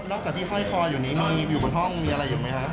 จากที่ห้อยคออยู่นี้มีอยู่บนห้องมีอะไรอยู่ไหมครับ